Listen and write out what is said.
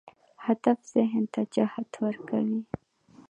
هدف ذهن ته جهت ورکوي.